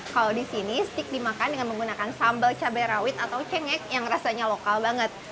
kalau di sini stik dimakan dengan menggunakan sambal cabai rawit atau cengek yang rasanya lokal banget